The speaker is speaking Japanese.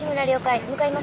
向かいます。